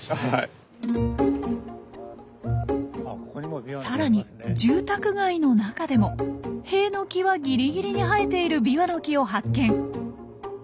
変な話さらに住宅街の中でも塀の際ギリギリに生えているビワの木を発見。